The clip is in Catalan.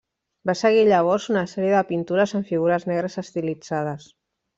Va seguir llavors una sèrie de pintures amb figures negres estilitzades.